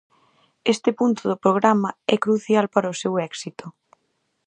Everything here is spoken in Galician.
Este punto do programa é crucial para o seu éxito.